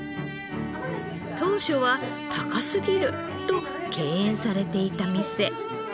当初は高すぎると敬遠されていた店。